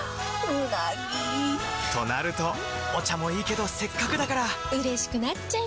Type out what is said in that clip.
うなぎ！となるとお茶もいいけどせっかくだからうれしくなっちゃいますか！